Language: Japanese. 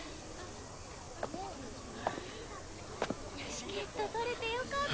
チケット取れてよかった。